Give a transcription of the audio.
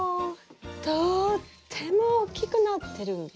とってもおっきくなってるんですよ！